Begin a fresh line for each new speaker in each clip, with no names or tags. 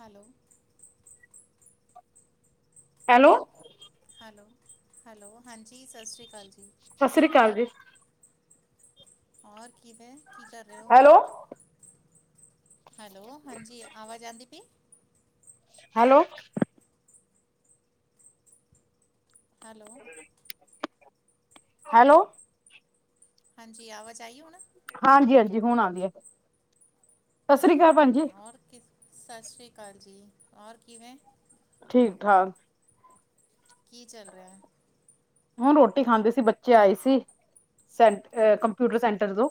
Hello
hello
hello hello ਹਾਂਜੀ ਸਤਿ ਸ਼੍ਰੀ ਅਕਾਲ ਜੀ।
ਸਤਿ ਸ੍ਰੀ ਅਕਾਲ ਜੀ
ਹੋਰ ਕਿਵੇਂ ਕੀ ਕਰ ਰਹੇ ਹੋ?
ਹੈਲੋ
ਹੈਲੋ ਹਾਂਜੀ ਆਵਾਜ ਆਂਦੀ ਪੀਏ?
ਹੈਲੋ
ਹੈਲੋ
ਹੈਲੋ
ਹਾਂਜੀ ਆਵਾਜ ਆਈ ਹੁਣ?
ਹਾਂਜੀ-ਹਾਂਜੀ ਹੁਣ ਆਉਂਦੀ ਹੈ। ਸਤਿ ਸ੍ਰੀ
ਓਕੇ
ਅਕਾਲ ਭੈਣਜੀ
ਓਕੇ ਔਰ ਕਿਸ ਸਤਿ ਸ਼੍ਰੀ ਅਕਾਲ ਜੀ। ਹੋਰ ਕਿਵੇਂ।
ਠੀਕ -ਠਾਕ।
ਕੀ ਚੱਲ ਰਿਹਾ।
ਉਹ ਰੋਟੀ ਖਾਂਦੇ ਸੀ ਬੱਚੇ ਆਏ ਸੀ ਸ ਕੰਪਿਊਟਰ ਸੈਂਟਰ ਤੋਂ।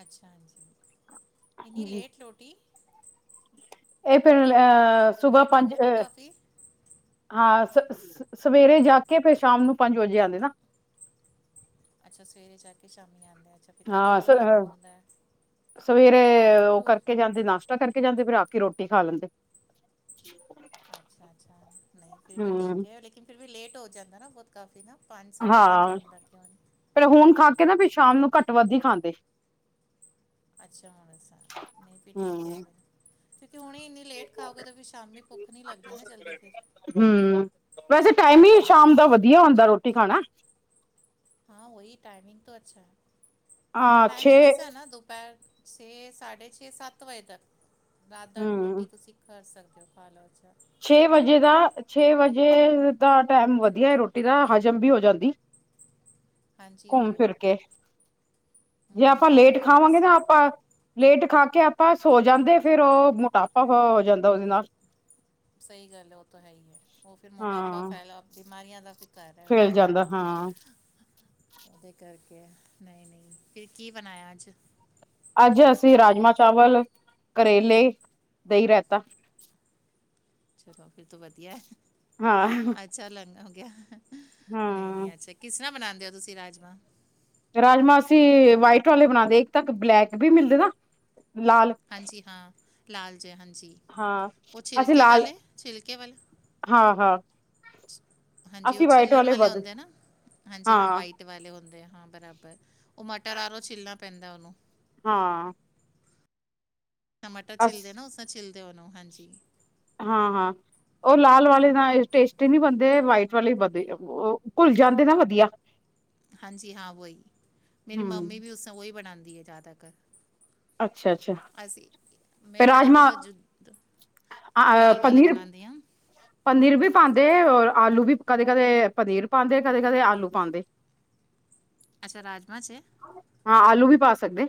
ਅੱਛਾ। ਹਾਂਜੀ। ਇਨੀ ਲੇਟ ਰੋਟੀ।
[unintelligible] ਅ ਸੁਬਾਹ
ਲੇਟ ਹੋ
ਪੰਜ
ਗਿਆ ਨਾ ਕਾਫੀ
ਹਾਂ ਸ ਸਵੇਰੇ ਜਾ ਕੇ ਫਿਰ ਸ਼ਾਮ ਨੂੰ ਪੰਜ ਵਜੇ ਆਉਂਦੇ ਨਾ।
ਅੱਛਾ। ਸਵੇਰੇ ਜਾ ਆ ਕੇ ਸ਼ਾਮ
ਹਾਂ ਸਵੇਰੇ ਉਹ
ਟੂਰ
ਕਰਕੇ ਜਾਂਦੇ ਨਾਸ਼ਤਾ ਕਰਕੇ ਜਾਂਦੇ ਫੇਿਰ ਆ ਕੇ ਰੋਟੀ ਖਾ ਲੈਂਦੇ।
ਅੱਛਾ, ਅੱਛਾ। ਨਹੀਂ ਫਿਰ ਵੀ ਠੀਕ
ਹਮ
ਹੈ। ਲਕਿਨ ਫਿਰ ਵੀ ਲੇਟ ਹੋ ਜਾਂਦਾ ਨਾ ਬਹੁਤ ਕਾਫੀ ਨਾ। ਪੰਜ ਸਾਢੇ ਪੰਜ
ਹਾਂ
ਹੋਣ ਲੱਗ ਗਏ ਹੁਣ
ਪਰ ਹੁਣ ਖਾ ਕੇ ਨਾ ਪਿੱਛੇ ਸ਼ਾਮ ਨੂੰ ਘੱਟ, ਵੱਧ ਹੀ ਖਾਂਦੇ।
[unintelligible] ਇੰਨੀ ਲੇਟ ਖਾਓਗੇ ਤਾਂ ਫਿਰ ਸ਼ਾਮੀ ਭੁੱਖ ਨਹੀਂ ਲੱਗਦੀ ਨਾ ਜਲਦੀ ਫਿਰ
ਹਮ ਵੈਸੇ ਟਾਈਮ ਹੀ
ਰਾਤ ਨੂੰ
ਸ਼ਾਮ ਦਾ ਵਧੀਆ ਹੁੰਦਾ ਰੋਟੀ ਖਾਣਾ।
ਹਾਂ ਉਹਹੀ ਟਾਈਮਿੰਗ ਤਾਂ ਅੱਛਾ ਹੈ।
ਹਾਂ ਛੇ
ਟਾਈਮਿੰਗ ਕਿਸ ਹੈ ਨਾ ਦੁਪਹਿਰ ਛੇ ਸਾਢੇ ਛੇ ਸਤ ਵਜੇ ਤਕ। ਰਾ ਦਾ
ਹੂੰ
ਰੋਟੀ ਤੁਸੀਂ ਕਰ ਸਕਦੇ। ਜੋ ਫਾਲੋ ਚਾ।
ਛੇ ਵਜੇ ਦਾ ਛੇ ਵਜੇ ਦਾ ਟਾਈਮ ਵਧੀਆ ਰੋਟੀ ਦਾ ਹਜ਼ਮ ਵੀ ਹੋ ਜਾਂਦੀ।
ਹਾਂਜੀ
ਘੁੰਮ
ਉਹੀ
ਫਿਰ
ਉਹੀ
ਕੇ ਜੇ ਆਪਾਂ
ਹੂੰ
ਲੇਟ
ਉਹ ਤਾਂ
ਖਾਵਾਂਗੇ
ਕਿਸਾ
ਨਾ ਆਪਾਂ ਲੇਟ ਖਾ ਕੇ ਕੇ ਆਪਾਂ ਸੋ ਜਾਂਦੇ ਫੇਿਰ ਉਹ ਮੋਟਾਪਾ ਹੋ ਹੋ ਜਾਂਦਾ ਉਹਦੇ ਨਾਲ।
ਸਹੀ ਗੱਲ ਹੈ। ਉਹ ਤਾਂ ਹੈ ਹੀ ਹੈ। ਉਹ ਫਿਰ ਮੋਟਾਪਾ ਫੈਲਾ ਬਿਮਾਰੀਆਂ ਦਾ। ਫਿਕਰ ਹੈ ਉਹ
ਫਲ ਜਾਂਦਾ ਹਾਂ।
ਉਹਦੇ ਕਰ। ਨਹੀਂ, ਨਹੀਂ ਫਰ ਕੀ ਬਣਾਇਆ ਅੱਜ।
ਅੱਜ ਅਸੀਂ ਰਾਜਮਾਂ, ਚਾਵਲ ਕਰੇਲੇ, ਦੇਹੀਂ ਰਹਿਤਾ।
ਚਲੋ ਫਿਰ ਤ ਵਧੀਆ। ਅੱਛਾ ਲੰਗਾ। ਗਿਆ ਨਹੀਂ,
ਹਾਂ
ਨਹੀ, ਅੱਛਾ, ਕਿਸ ਨਾਲ ਬਣਾਦੇ। ਤੁਸੀਂ ਰਾਜਮਾਂ
ਰਾਜਮਾ ਅਸੀਂ ਵਾਈਟ ਵਾਲੇ ਬਣਾਦੇ, ਇੱਕ ਤਾਂ ਕ ਬਲੈਕ ਵੀ ਮਿਲਦੇ ਨਾ। ਲਾਲ
ਹਾਂਜੀ। ਹਾਂ, ਲਾਲ। ਜੇ ਹਾਂਜੀ,
ਹਾਂ
ਉਹ
ਅਸੀਂ
ਛਿਲਕੇ
ਲਾਲ
ਵਾਲੇ, ਛਿਲਕੇ ਵਾਲੇ।
ਹਾਂ ਹਾਂ
ਹਾਂਜੀ, ਉਹ
ਅਸੀਂ ਵਾਈਟ
ਛਿਲਨ ਵਾਲੇ
ਵੱਧ
ਹੁੰਦੇ ਆ ਨਾ? ਹਾਂਜੀ, ਹਾਂ, ਵਾਈਟ ਵਾਲੇ ਹੁੰਦੇ ਆ। ਬਰਾਬਰ। ਉਹ ਮਟਰ ਆਰੋ ਛਿੱਲਣਾ ਪੈਂਦਾ ਉਹਨੂੰ।
ਹਾਂ।
ਟਮਟਰ
ਅਸ
ਛਿਲਦੇ ਨਾ ਉਸ ਛਿੱਲ ਤੇ ਓਨੂੰ। ਹਾਂਜੀ।
ਹਾਂ, ਹਾਂ, ਉਹ ਲਾਲ ਵਾਲੇ ਨਾ, ਟੇਸਟੀ ਨਹੀਂ ਬਣਦੇ। ਵਾਈਟ ਵਾਲੇ ਵਧੀਆ, ਉਹ ਘੁੱਲ ਜਾਂਦੇ ਨਾ ਵਧੀਆ।
ਹਾਂਜੀ। ਹਾਂ, ਉਹੀ ਮੇਰੀ
ਹਮ
ਮੰਮੀ ਵੀ ਉਸ ਉਹੀ ਬਣਾ [unintelligible]
ਅੱਛਾ, ਅੱਛਾ,
ਮੈਂ ਤਾਂ
ਰਾਜਮ
ਲੇਕਿਨ ਜੋ ਜੁ- ਲਾਲ ਵਾਲੇ
ਪਨੀਰ,
ਬਣਾਉਂਦੀ ਹਾਂ
ਪਨੀਰ ਵੀ ਪਾਂਉਂਦੇ ਹੋਰ ਆਲੂ ਵੀ ਕਦੇ-ਕਦੇ ਪਨੀਰ ਪਾਉਂਦੇ, ਕਦੇ-ਕਦੇ ਆਲੂ ਪਾਉਂਦੇ।
ਅੱਛਾ, ਰਾਜਮਾ ਚ?
ਹਾਂ, ਆਲੂ ਵੀ ਪਾ ਸਕਦੇ।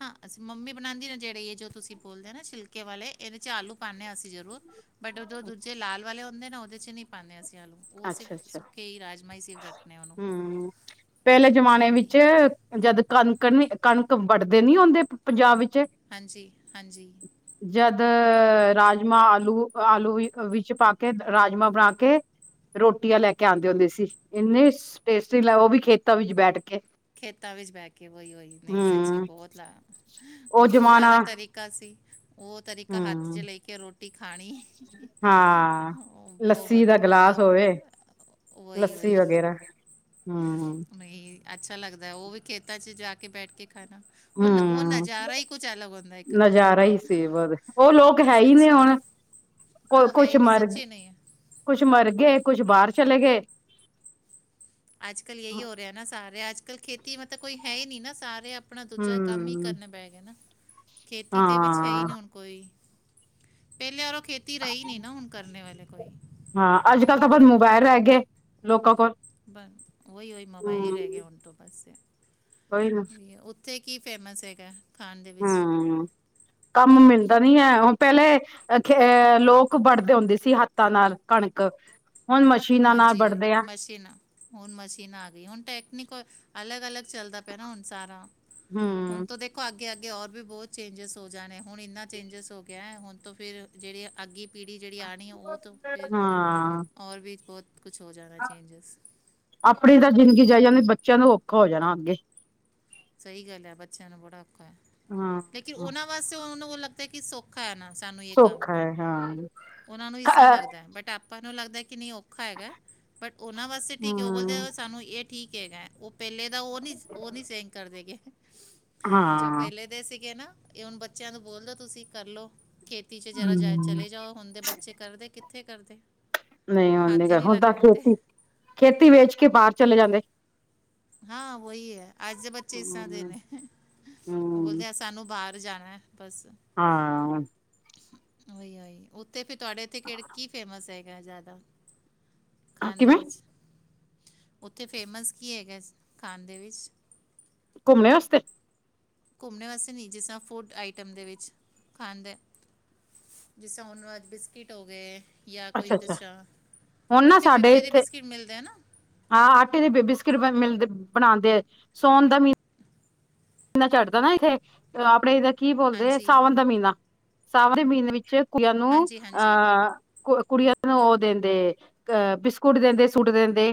ਹਾਂ। ਅਸੀਂ ਮੰਮੀ ਬਣਾਉਂਦੀ ਨਾ ਜਿਹੜੇ, ਇਹ ਜੋ ਤੁਸੀਂ ਬੋਲਦੇ ਨਾ, ਛਿਲਕੇ ਵਾਲੇ ਇਹਦੇ 'ਚ ਆਲੂ ਪਾਂਨੇ ਅਸੀਂ ਜ਼ਰੂਰ। ਬਟ ਉ ਦੋਂ ਦੂਜੇ ਲਾਲ ਵਾਲੇ ਦੇ ਨਾ ਔਢੇ 'ਚ ਨੀ ਪਾਂਦੇ ਅਸੀਂ ਆਲੂ ਉਹ
ਅੱਛਾ,
ਸਿਰਫ
ਅੱਛਾ
ਸੁੱਕੇ ਹੀ ਰਾਜਮਾ ਹੀ ਸਿਰਫ ਰੱਖਨੇ ਉਹਨੂੰ
ਹੂੰ। ਪਹਿਲੇ ਜਮਾਨੇ
ਉਹੀ
ਵਿੱਚ ਜਦ ਕਣਕਣ ਕਣਕ ਵੱਢਦੇ ਨੀ ਆਉਂਦੇ, ਪੰਜਾਬ ਵਿੱਚ
ਹਾਂਜੀ, ਹਾਂਜੀ।
ਅਹ ਰਾਜਮਾਂ ਆਲੂ, ਆਲੂ ਵਿੱਚ ਪਾ ਕੇ ਰਾਜਮਾਂ ਬਣਾ ਕੇ ਰੋਟੀਆਂ ਲੈ ਕੇ ਆਉਂਦੇ ਹੁੰਦੇ ਸੀ। ਇੰਨੇ ਟੇਸਟੀ ਲ, ਉਹ ਵੀ ਖੇਤਾਂ ਵਿੱਚ ਬੈਠ ਕੇ।
ਖੇਤਾਂ ਵਿੱਚ ਬਹਿ ਕੇ, ਉਹੀ ਹੋਹੀ ਨਹੀਂ ਸੱਚੀ
ਹਮ
ਬਹੁਤ ਲਾ ਉਹ ਵੀ ਉਹਨਾਂ ਦਾ ਤਰੀਕਾ ਸੀ। ਉਹ ਤਰੀਕਾ ਹੱਥ ਚ
ਹਮ
ਲੈ ਕੇ ਰੋਟੀ ਖਾਣੀ।
ਹਾਂ ਲੱਸੀ ਦਾ
ਬਹੁਤ ਉਹ ਤਾਂ,
ਗਿਲਾਸ ਹੋਵੇ ਲੱਸੀ
ਵਹੀ-ਵਹੀ,
ਵਗੈਰਾ ਹਮ
ਨਹੀਂ ਅੱ ਲੱਗਦਾ ਹੈ। ਉਹ ਵੀ ਖੇਤਾਂ ਚ ਜਾ ਕੇ ਬੈਠ ਕੇ
ਹਮਮ। ਨਜ਼ਾਰਾ ਹੀ ਸੀ। ਉਹ ਉਹ ਲੋਕ ਹੈ ਹੀ ਨੇ ਹੁਣ ਕੁਛ ਮਰ, ਕੁਛ ਮਰ ਗਏ ਕੁਛ ਬਾਹਰ ਚਲੇ ਗਏ।
ਅੱਜ-ਕਲ ਇਹੀ ਹੋ ਰਿਹਾ ਨਾ ਸਾਰੇ ਅੱਜ ਕਲ੍ਹ ਖੇਤੀ ਮਤਲਬ ਕੋਈ ਹੈ ਹੀ ਨੀ ਨਾ ਸਾਰੇ ਆਪ ਆਪਣਾ ਦੂਜਾ ਕੰਮ ਹੀ
ਹਮ
ਕਰਨੇ ਪੈ ਗੇ ਆ ਨਾ। ਖੇਤੀ ਤੇ ਵਿੱਚ ਹੈ ਹੀ ਨਈ
ਹਾਂ
ਹੁਣ ਕੋਈ। ਪਹਿਲੇ ਆਰੋ ਖੇਤੀ ਰਹੀ ਨ ਨਾ ਹੁਣ ਕਰਨੇ ਵਾਲੇ
ਹਾਂ ਅੱਜ ਕੱਲ ਤਾਂ ਬਸ ਮੋਬਾਇਲ ਰਹਿ ਗਏ ਹੈਗੇ ਲੋਕਾਂ ਕੋਲ।
ਬਸ ਓਹੀ ਓਹੀ ਮੋਬਾਇਲ
ਹੂੰ
ਰੇਹ ਗਿਆ ਹੁਨ ਤੋਂ ਬਸ।
ਕੋਈ
ਓਹੀ ਹ ਓਥੇ ਕੀ ਫੇਮਸ ਹੈਗਾ? ਖਾਣ ਦੇ ਵਿੱਚ?
ਹਮ ਕੰਮ ਮਿਲਦਾ ਨੀ ਹੈ। ਪਹਿਲੇ ਖ ਅਹ ਲੋਕ ਵੜਦੇ ਹੁੰਦੇ ਸੀ ਹੱਥਾਂ ਨਾਲ ਕਣਕ। ਹੁਣ ਮਸ਼ੀਨਾਂ ਨਾਲ
ਹਾਂਜੀ ਹੋ
ਵੱਢਦੇ ਆ
ਮਸ਼ੀਨਾਂ ਹੁਣ ਮਸ਼ੀਨਾਂ ਆ ਗਈ ਹੁਣ ਟੈਕਨੀਕ ਅਲਗ ਅਲੱਗ ਚੱਲਦਾ ਪਿਆ ਐ ਨਾ ਹੁਣ ਸਾਰਾ।
ਹਮ।
ਕੇ ਅੱਗੇ ਹੋਰ ਵੀ ਬਹੁਤ ਚੇਂਜਿਸ ਹੋ ਜਾਣੇ ਹੁਣ ਇੰਨਾ ਚੇਜਿਸ ਹੋ ਗਿਆ ਹੁਣ ਤੋਂ ਫਿਰ ਜਿਹੜੀ ਅੱਗੀ ਪੀੜੀ ਜਿਹੜੀ ਆਉਣੀ ਉਹ ਤਾਂ ਫਿਰ
ਹਾਂ
ਔਰ ਵੀ। ਬੋਤ
ਆਪਣੀ ਤਾਂ ਜ਼ਿੰਦਗੀ ਜਾਈ ਜਾਂਦੀ ਬੱਚ ਬੱਚਿਆਂ ਨੂੰ ਔਖਾ ਹੋ ਜਾਣਾ ਅੱਗੇ।
ਸਹੀ ਗੱਲ ਹੈ ਬੱਚਿਆਂ ਨੂੰ ਬੜਾ ਔਖਾ ਹੈ
ਹਾਂ
ਲੇਕਿਨ ਉਹਨਾਂ ਵਾਸਤੇ ਉਨੂ ਲੱਗਦਾ ਕੀ ਸੌਖਾ ਐ ਨਾ ਸਾਨੂੰ ਯੇ ਕੰਮ
ਸੌਖਾ ਹੈ ਹਾਂ
ਉਹਨਾਂ ਨੂੰ ਇਸਾ ਲੱਗਦਾ ਬਟ ਆਪਾਂ ਮੰਨੂ ਲੱਗਦਾ ਐ ਕੀ ਨਹੀਂ ਔਖ ਔਖਾ ਹੈਗਾ ਬਟ ਉਹਨਾਂ ਵਾਸਤੇ ਠੀਕ ਹੈ ਉਹ ਬੋਲਦੇ
ਹੂੰ
ਸਾਨੂੰ ਇਟ ਠੀਕ ਹੈਗਾ ਓਕ ਪਹਿਲੇ ਤਾਂ ਉਹ ਨਹੀਂ ਉਹ ਨਹੀਂ ਸੀ। ਦੇ ਕੇ, ਜੋ
ਹਾਂ
ਪਹਿਲੇ ਦੇ ਸੀਗੇ ਨਾ। ਐਹ ਹੁਨ ਬੱਚਿਆਂ ਨੂੰ ਬੋਲਦੋ ਤੁਸੀਂ ਕਰਲੋ। ਖੇਤੀ ਚ ਜਰਾ ਜਾ
ਹੂੰ
ਚਲੇ ਜਾਓ ਹੁੰਦੇ ਬੱਚੇ ਕਰਦੇ ਕਿੱਥੇ ਕਰਦੇ
ਨਹੀਂ ਹੁਣ
ਹੱਥ ਈ ਨੀ
ਹੁਣ ਤਾਂ
ਲਗਾਂਦੇ।
ਖੇਤੀ ਖੇਤੀ ਵੇਚ ਕੇ ਬਾਹਰ ਚਲੇ ਜਾਂਦੇ
ਹਾਂ ਉਹੀ ਐ ਅੱਜ ਦੇ ਬੱਚੇ ਇਸ ਤਰਾਂ ਦੇ
ਹੂੰ
ਨੇ ਉਹ
ਹੂੰ
ਬੋਲਦੇ ਸਾਨੂੰ ਬਾਹਰ ਜਾਣਾ ਐ ਬਸ।
ਹਾਂ ਹੁਣ।
ਓਹੀ ਓਹੀ ਓਥੇ ਫੇਰ ਤੁਹਾਡੇ ਐਥੇ ਕੇੜ ਕੀ ਫੇਮਸ ਹੈਗਾ ਜ਼ਿਆਦਾ? ਖਾਂਦੇ
ਕਿਵੇਂ
ਵਿੱਚ ਓਥੇ ਫੇਮਸ ਕੀ ਹੈਗਾ? ਕਾਂਦੇ ਵਿਚ?
ਘੁੰਮਨੇ ਵਾਸਤੇ?
ਘੁੰਮਨੇ ਵਾਸਤੇ ਨਹੀਂ ਜਿਸਰਾ ਫੂਡ ਆਈਟਮ ਦੇ ਵਿੱਚ ਖਾਂਦੇ ਜਿਸ ਹੁਨ ਬਿਸਕਿਟ ਹੋ ਗਏ। ਜਾਂ ਕੋਈ
ਅੱਛਾ-ਅੱਛਾ,
ਦੂਸਰਾ
ਹੁਣ ਨਾ
ਉੱਥੇ
ਸਾਡੇ
ਪਿੱਪੇ ਦੇ
ਇੱਥੇ
ਬਿਸਕਿਟ ਮਿਲਦੇ ਆ ਨਾ
ਹਾਂ ਆਟੇ ਦੀ ਬਿ ਬਿਸਕਿਟ ਬਣ ਮਿਲਦੇ। ਬਣਾਂਦੇ, ਸੋਣ ਦਾ ਮੀਨ ਨਾ ਚੜਦਾ ਨਾ ਇੱਥੇ ਆਪਣੇ ਇਦੇ ਕੀ ਬੋਲਦੇ
ਹਾਂਜੀ
ਸਾਵਨ ਦਾ ਮੀਨਾ। ਸਾਵਣ ਦੇ ਮਹੀਨੇ ਚ ਕੁੜੀਆ ਨੂੰ
ਹਾਂਜੀ ਹਾਂਜੀ
ਅਹ ਕ ਕੁੜੀਆਂ ਨੂੰ ਔ ਦਿੰਦੇ ਅਹ ਬਿਸਕੁਟ ਦਿੰਦੇ ਸੂਟ ਦਿੰਦੇ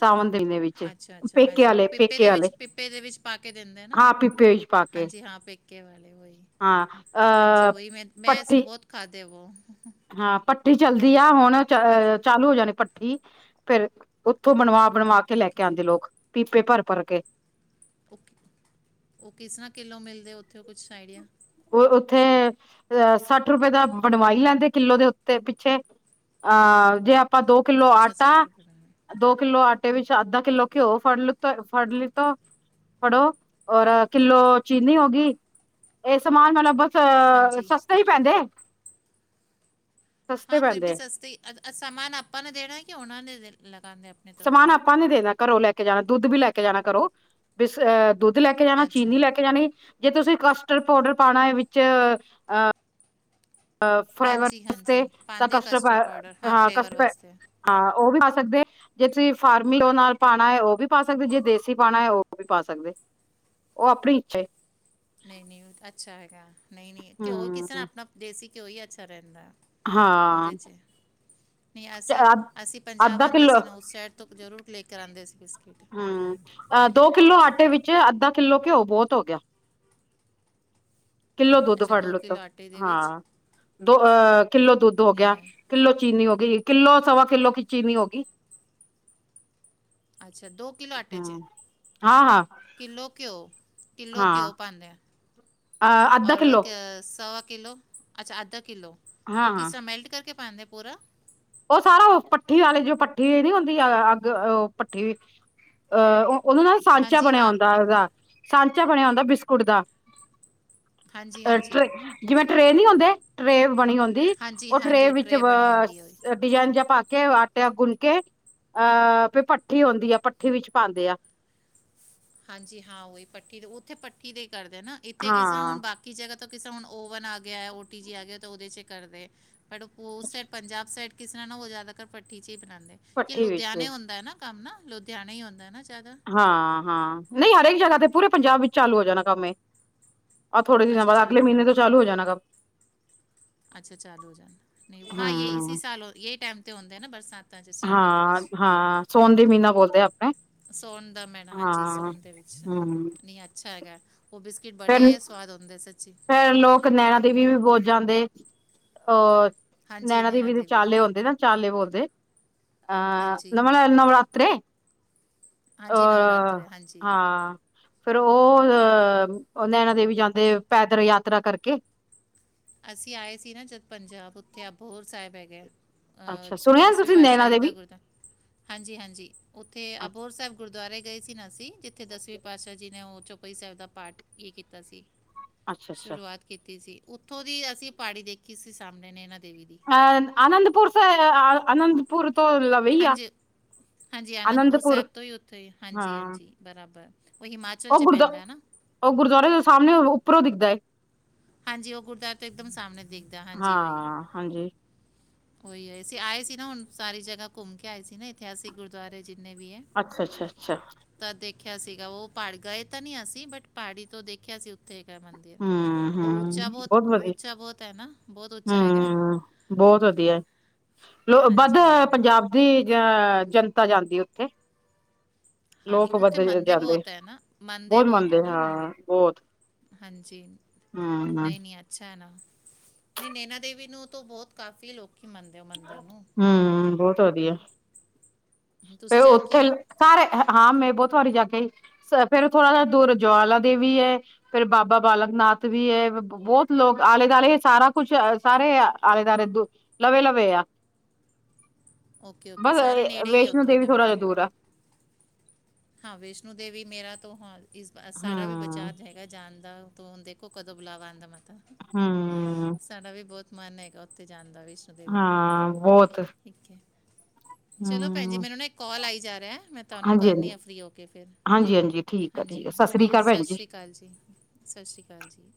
ਸਾਵਨ ਦੀਨੇ ਵਿੱਚ ਪੇਕੇ ਆਲੇ ਪੇਕੇ ਆਲੇ।
ਪੇ ਦੇ ਵਿੱਚ ਪਾ ਕੇ ਦਿੰਦੇ ਐਨਾ,
ਹਾਂ ਪਿੱਪੇ ਵਿੱਚ ਪਾ ਕੇ
ਹਾਂਜੀ ਹਾਂ ਪੇ ਕੇਵਲ ਵੋਹੀ
ਹਾਂ
ਹਾਂਜੀ
ਅਹ
ਵਹੀ ਮੈਂ ਮੈਂ ਸ
ਪੱਠੀ
ਬੌਤ ਖਾਦੇ ਐ ਵੋ।
ਚਲਦੀਆਂ ਹੋਣ ਨ ਚ
ਅੱਛਾ
ਚਾਲੂ ਹੋ ਜਾਣੇ ਪੱ ਦੀ ਫੇਰ ਉੱਥੋਂ ਬਣਵਾ-ਬਣਵਾ ਕੇ ਲੈ ਕੇ
ਓਕੇ
ਆਂਦੇ ਲੋਕ। ਪੀਪੇ ਭਰ-ਭਰ ਕੇ।
ਔ ਕਿ, ਔ ਕਿਸ ਤਰ੍ਹਾਂ ਕਿੱਲੋ ਮਿਲਦੇ ਔ? ਔ ਕੁਛ ਆਈਡੀਆ।
ਉਹ ਉੱਥੇ ਅਹ ਸੱਠ ਰੁਪਏ ਦਾ ਬਣਵਾਈ ਲੈਂਦੇ ਕਿੱਲੋ ਦੇ ਉੱਤੇ ਪਿੱਛੇ ਅਹ ਜੇ ਆਪਾਂ ਦੋ ਕਿੱਲੋ
ਅੱਛਾ
ਆਟਾ
ਰੁਪਏ ਮਿਲਦੇ
ਦੋ ਕਿੱਲੋ ਆਟ ਟੇ ਵਿੱਚ ਅੱਧਾ ਕਿੱਲੋ ਘਿਓ ਫੜ ਲਿਤ ਫੜ ਲੀਤਾ, ਫੜੋ ਔਰ ਕਿੱਲੋ ਚੀਨੀ ਹੋ ਗੀ। ਏ ਸਮਾਨ ਮਤਲਬ ਬ ਫਅ
ਹਾਂਜੀ
ਸਸਤੇ ਹੀ ਪੈਂਦੇ। ਸਸਤੇ
ਹਾਂ, ਫਿਰ
ਪੈਂਦੇ
ਬੀ ਸਸਤੀ ਅ ਅ ਸਮਾਨ ਅਪਾਂ ਨੇ ਦੇਣੈ ਕਿ ਔਨਾਂ ਨੇ ਦੇਣ
ਸਮਾਨ ਆਪਾਂ ਨੇ ਦੇਣੈ ਘਰੋਂ ਲੈ ਕ ਕੇ ਜਾਣਾ ਦੁੱਧ ਬੀ ਲੈ ਕੇ ਜਾਣਾ ਕਰੋ ਬਿਸ ਅਹ ਦੁੱਧ ਲੈ ਕੇ ਜਾਣਾ
ਅੱਛਾ
ਚੀਨੀ ਲੈ ਕੇ ਜਾਣੀ। ਜੇ ਤੁਸੀਂ ਕਸਟਰਡ ਪੌਡਰ ਪਾਣਾ ਏ ਵਿੱਚ ਅਹ ਅ ਫਲੇਵਰ
ਹਾਂਜੀ ਹਾਂਜੀ
ਵਸਤੇ ਤਾਂ
ਪਾਉਂਦੇ
ਕਟਤਰ
ਕਸਟਰਡ ਪਾਊਡਰ
ਪਾਯੈ ਹਾਂ ਕਸ
ਫਲੇਵਰ
ਪਾ
ਵਾਸਤੇ
ਹਾਂ। ਓਹ ਵੀ ਪਾ ਸਕਦੇ ਜੇ ਤੁਸੀਂ ਫਾਰਮੀ ਔ ਨਾਲ ਪਾਣਾ ਏ ਓਹ ਵੀ ਪਾ ਸਕਦੇ ਜੇ ਦੇਸੀ ਪਾਣਾ ਏ ਓਹ ਵੀ ਪਾ ਸਕਦੇ, ਓਹ ਆਪਣੀ ਇੱਛਾ ਏ।
ਨਹੀਂ ਨਹੀਂ ਅੱਛਾ ਹੈਗੈ। ਨਹੀਂ ਨਹੀਂ ਘਿਓ ਕਿਸੇ ਨਾ
ਹਮ
ਅਪਣਾ ਦੇਸੀ ਘਿਓ ਈ ਅੱਛਾ ਰੈੰਦੈ।
ਹਾਂ
ਉਹਦੇ ਚ ਨਹੀਂ ਅਸੀਂ ਅਸੀਂ ਪੰਜਾਬ
ਅੱਧਾ
ਆਉਂਦੇ
ਕਿੱਲੋ
ਸੀ ਨਾ ਉਸ ਸ਼ਹਿਰ ਤੋਂ ਜ਼ਰੂਰ ਲੈ ਕੇ ਕਰ੍ਹਾਂਦੇ ਸੀ ਬਿਸਕਿਟ
ਹਮ ਅਹ ਦੋ ਕਿੱਲੋ ਆਟੇ ਵਿੱਚ ਠੀਕ ਅੱਧਾ ਕਿੱਲੋ ਘਿਓ ਬਹੁਤ ਹੋ ਗਿਆ ਕਿੱਲੋ ਦੁੱਧ
ਅੱਛਾ
ਫੜ ਲੁਤ
ਕਿਲੋ ਆਟੇ ਦੇ ਵਿੱਚ
ਹਾਂ ਦੋ ਅਹ ਕਿੱਲੋ ਦੁੱਧ ਹੋ
ਨਹੀਂ
ਗਿਆ
ਹੈ
ਕਿੱਲੋ ਚੀਨੀ ਹੋ ਕਿੱਲੋ ਸਵਾ ਕਿੱਲੋ ਕੀ ਚੀਨੀ ਹੋ ਗਈ
ਅੱਛਾ ਦੋ ਕਿੱਲੋ ਆਟੇ ਚ ਕਿੱਲੋ ਘਿਓ ਕਿੱਲੋ ਘਿਓ ਪਾਉਂਦੇ ਆ ਔਰ ਕ ਸਵਾ ਕਿਲੋ ਅੱਛਾ ਅੱਦਰਕ ਕਿੱਲੋ
ਹਾਂ
ਉਹ ਕਿਸ
ਹਾਂ
ਤਰਾ ਮੈਲਟ ਕਰਕੇ ਪਾਾਂਦੇ ਪੂਰਾ
ਉਹ ਸਾਰਾ ਉਹ ਪੱਠੀ ਵਾਲੇ ਜੋ ਪੱਠੀ ਨੀ ਹੁੰਦੀ ਅੱਗ ਉਹ ਭੱਠੀ ਅਹ ਉਹਨੂੰ ਨਾਲ ਸਾਂਚਾ
ਹਾਂਜੀ
ਬਣਿਆ
ਹਾਂ
ਹੁੰਦਾ ਉਹਦਾ ਸਾਂਚਾ ਬਣਿਆ ਹੁੰਦਾ ਬਿਸਕੁਟ ਦਾ
ਹਾਂਜੀ
ਅ ਤੇ
ਹਾਂਜੀ
ਜਿਵੇਂ ਟਰੇੇ ਨਹੀਂ ਹੁੰਦੇ ਟਰੇੇ ਬਣੀ ਹੁੰਦੀ
ਹਾਂਜੀ
ਉਹ ਟਰੇ
ਹਾਂਜੀ
ਵਿੱਚ
ਬਣੀ
ਅ
ਹੁੰਦੀ ਹੈ ਉਹ
ਡਿਜਾਇਨ ਜਾਂ ਪਾ ਕੇ ਆਟਿਆ ਗੁੰਨ ਕੇ ਅਹ ਫਿਰ ਭੱਠੀ ਆਉਂਦੀ ਆ ਭੱਠੀ ਵਿੱਚ ਪਾਉਂਦੇ ਆ
ਹਾਂਜੀ ਹਾਂ ਉਹੀ ਭੱਠੀ ਦੇ ਉੱਥੇ ਭੱਠੀ ਦੇ ਕਰਦੇ ਨਾ ਇੱਥੇ ਕਿਸ
ਹਾਂ
ਹੁਣ ਬਾਕੀ ਜਗ੍ਹਾ ਕਿਸੇ ਹੁਣ ਓਵਨ ਆ ਗਿਆ ਓਟੀ ਜੀ ਆ ਗਿਆ ਉਹਦੇ ਚ ਕਰਦੇ ਪਰ ਉਸ ਸਾਈਡ ਪੰਜਾਬ ਸਾਈਡ ਕਿਸ ਤਰ ਨਾ ਉਹ ਜ਼ਿਆਦਾ ਪੱਟੀ ਚਚ ਹੀ ਬਣਾ ਕੀ
ਭੱਠੀ ਵਿੱਚ
ਲੁਧਿਆਣੇ ਹੁੰਦਾ ਹੈ ਨਾ ਕੰਮ ਨਾ ਲੁਧਿਆਣਾ ਹੀ ਹੁੰਦਾ ਹੇ ਨਾ ਜ਼ਿਆਦਾ
ਹਾਂ ਹਾਂ ਨਹੀਂ ਹਰੇਕ ਜਗ੍ਹਾ ਤੇ ਪੂਰੇ ਪੰਜਾਬ ਵਿੱਚ ਚਾਲੂ ਹੋ ਜਾਣਾ ਕੰਮ ਆਹ ਥੋੜੇ ਦਿਨਾਂ
ਅੱਛਾ
ਬਾਅਦ ਅਗਲੇ
ਚਾਲੂ ਪੂਰੇ
ਮਹੀਨੇ ਤੋਂ ਚਾਲੂ ਹੋ
ਪੰਜਾਬ
ਜਾਣਾ ਕੰਮ
ਅੱਛਾ ਚਾਲੂ ਹੋ ਜਾਣ ਨਹੀਂ ਹਾਂ ਯ ਇਸੀ
ਹੂੰ।
ਸਾਲ ਹੋ ਯਹੀ ਟਾਈਮ ਹੁੰਦੇ ਨਾ ਬਰਸਾਤ ਚ ਸਾਵਣ ਦੇ ਵਿੱਚ
ਹਾਂ ਹਾਂ ਸੋਨ ਦੀ ਮਹੀਨਾ ਬੋਲਦੇ ਆਪਣੇ
ਸੌਉਣ ਦਾ ਮੈਣਾ ਹਾਂਜੀ
ਹਾਂ
ਸੋਣ ਦੇ ਵਿੱਚ
ਹੂੰ
ਨੀ ਅੱਛਾ ਹੈਗਾ ਉਹ ਬਿਸਕਿਟ
ਫਿਰ
ਬੜੇ ਸਵਾਦ ਹੁੰਦੇ ਸੱਚੀ
ਫਿਰ ਲੋਕ ਨੈਣਾਂ ਦੇਵੀ ਵੀ ਬਹੁਤ ਜਾਂਦੇ ਹ ਨੈਣਾ ਦੇਵੀ ਦੇ ਚਾਲੇ ਹੁੰਦੇ ਨਾ ਚਾਲੇ ਬੋਲਦੇ ਜ ਹਾਂ
ਹਾਂਜੀ
ਨੋਵਾ ਨਰਾਤਰੇ ਅ
ਹਾਂਜੀ ਨਵਰਾਤਰੇ ਹਾਂਜੀ
ਹਾਂ ਫੇਰ ਉਹ ਅ ਉਹ ਨੈਣਾ ਦੇਵੀ ਜਾਂਦੇ ਪੈਦਲ ਯਾਤਰਾ ਕਰਕੇ
ਅਸੀਂ ਆਏ ਸੀ ਨਾ ਜਦ ਪੰਜਾਬ ਉੱਥੇ ਅਪਹੋਰ ਸਾਹਿਬ ਹੈਗਾ ਅ
ਅੱਛਾ ਸੁਣਿਆ
ਦਸਵੇਂ
ਤੁਸੀਂ
ਪਾਤਿਸ਼ਾਹ
ਨੈਣਾ
ਜੀ ਦਾ
ਦੇਵੀ
ਗੁਰਦਾਆ ਹਾਂਜੀ ਹਾਂਜੀ ਉੱਥੇ
ਅੱਛਾ
ਅਭੋਰ ਸਾਹਿਬ ਗੁਰਦੁਆਰੇ ਗਏ ਸੀ ਨਾ ਅਸੀਂ ਜਿੱਥੇ ਦਸਵੇਂ ਪਾਤਸ਼ਾਹ ਜੀ ਨੇ ਉਹ ਚੌਪੜੀ ਸਾਹਿਬ ਦਾ ਪਾਠ ਹੀ ਕੀਤਾ ਸੀ
ਅੱਛਾ ਅੱਛਾ
ਸ਼ੁਰੂਆਤ ਕੀਤੀ ਸੀ ਉ ਉੱਥੋਂ ਦੀ ਅਸੀਂ ਪਹਾੜੀ ਦੇਖੀ ਸੀ ਸਾਹਮਣੇ ਨੇਨਾ
ਅਹ ਅਨੰਦਪੁਰ ਸਾਹਿਬ ਅਨੰਦਪੁਰ ਪੁਰ
ਹਾਂਜੀ ਹਾਂਜੀ ਅਨੰਦਪੁਰ
ਆਨੰਦਪੁਰ
ਸਾਹਿਬ ਤੋਂ ਹੀ ਉੱਥੇ ਹਾਂਜੀ
ਹਾਂ
ਹਾਂਜੀ ਬਰਾਬਰ ਉਹ ਹਿਮਾਚਲ
ਉਹ
'ਚ
ਗੁਰਦੁਆ
ਪੈਂਦਾ ਹੈ ਨਾ
ਉਹ ਗੁਰਦੁਆਰੇ ਦੇ ਸਾਹਮਣਿਉਂ ਉੱਪਰੋਂ ਦਿਖਦਾ ਏ
ਹਾਂਜੀ ਉਹ ਗੁਰਦੁਆਰਾ ਤੋਂ ਇੱਕਦਮ ਸਾਹਮਣੇ ਦਿਖਦਾ ਹਾਂਜੀ ਵਹੀ
ਹਾਂ ਹਾਂਜੀ
ਉਹੀ ਹੈਏ ਅਸੀਂ ਆਏ ਸੀ ਨਾ ਹੁਣ ਸਾਰੀ ਜਗ੍ਹਾ ਘੁੰਮ ਕੇ ਆਏ ਸੀ ਨਾ ਇਤਿਹਾਸਿਕ ਗੁਰਦੁਆਰੇ ਜੀ
ਅੱਛਾ ਅੱਛਾ ਅੱਛਾ
ਦੇਖਿਆ ਸੀਗਾ ਉਹ ਪਹਾੜ ਗਏ ਤਾਂ ਨੀ ਅਸੀਂ ਬਟ ਪਹਾੜੀ ਤੋਂ ਦੇਖਿਆ ਸੀ ਉੱਥੇ ਜੈ ਮੰਦਿਰ
ਹਮ ਹਮ
ਉੱਚਾ ਬਹੁਤ
ਵਧੀਆ
ਉੱਚਾ ਬਹੁਤ ਹੈ ਨਾ ਬਹੁਤ ਉੱਚਾ ਹੈਗਾ
ਹਮ ਬਹੁਤ ਵਧੀਆ ਲੋ ਵੱਧ
ਹਾਂਜੀ ਨਹੀਂ ਨਹੀਂ
ਪੰਜਾਬ ਦੀ ਜਾਂ ਜਨਤਾ ਜਾਂਦੀ ਉੱਥੇ
ਹਾਂ ਨਹੀਂ
ਲੋਕ
ਉੱਥੇ
ਵਧ
ਮੰਦੇ
ਜਾਂਦੇ
ਬਹੁਤ ਹੈ ਨਾ ਮੰਦੇ
ਬਹੁਤ
ਹੈ
ਮੰਨਦੇ
ਨਾ ਉਹਨਾਂ
ਹਾਂ
ਨੂੰ
ਬਹੁਤ
ਹਾਂਜੀ
ਹਮ
ਨਹੀਂ ਨਹੀਂ ਅੱਛਾ ਹੈਨਾ ਨੈਨਾ ਦੇਵੀ ਨੂੰ ਤਾਂ ਬਹੁਤ ਕਾਫ਼ੀ ਲੋਕ
ਹਮ ਬਹੁਤ ਵਧੀਆ ਫੇਰ
ਤੁਸੀਂ ਜਾ ਕੇ
ਉੱਥੇ
ਆਏ ਹੋ
ਸਾਰੇ ਹਾਂ ਮੈਂ ਬਹੁਤ ਵਾਰੀ ਜਾ ਕੇ ਫੇਰ ਥੋੜਾ ਜਿਹਾ ਦੂਰ ਜਵਾਲਾ ਦੇਵੀ ਹੈ ਫੇਿਰ ਬਾਬਾ ਬਾਲਕ ਨਾਥ ਵੀ ਹੈ ਬਹੁਤ ਲੋਕ ਆਲੇ ਦੁਆਲੇ ਸਾਰਾ ਕੁਛ ਸਾਰੇ ਆਲੇ ਦੁਆਲੇ ਦ ਲਵੇ ਲਵੇ ਆ
ਓਕੇ-ਓਕੇ,
ਬਸ
ਸਾਰਿਆਂ ਨੇ
ਵੈਸ਼ਨੋ ਦੇਵੀ ਥੋੜਾ ਜਿਹਾ ਦੂਰ ਆ
ਹਾਂ ਵੈਸ਼ਨੂੰ ਦੇਵੀ ਮੇਰਾ ਤੋਂ ਹਾਲ ਇਸ ਬਾਰ, ਸਾਡਾ ਵੀ
ਹੂੰ।
ਵਿਚਾਰ ਹੈਗਾ ਜਾਣ ਨੂੰ। ਤੋ ਹੁਣ ਦੇਖੋ ਕਦੋਂ ਬੁਲਾਵਾ ਆਂਦਾ ਮਾ
ਹਮ
ਮਨ ਹੈਗਾ ਉੱਥੇ ਜਾਣ ਦਾ ਵੀ।
ਹਾਂ, ਬਹੁਤ
ਚਲੋ ਭੈਣਜੀ
ਹੂੰ
ਮੈਨੂੰ ਨਾ ਇੱਕ ਕਾਲ ਆਈ ਜਾ ਰਿਹਾ, ਮੈਂ ਤੁਹਾਨੂੰ
ਹਾਂਜੀ
ਕਰਨੀ
ਹਾਂਜੀ।
ਆ ਫ ਫ੍ਰੀ ਹੋਕੇ ਫਿਰ,
ਹਾਂਜੀ ਹਾਂਜੀ ਠੀਕ ਆ ਠੀਕ
ਹਾਂਜੀ।
ਆ ਸਤਿ
ਓਕੇ,
ਸ੍ਰੀ ਅਕਾਲ
ਸਤਿ
ਭੈਣ ਜੀ।
ਸ਼੍ਰੀ ਅਕਾਲ ਜੀ, ਸਤਿ ਸ਼੍ਰੀ ਅਕਾਲ ਜੀ।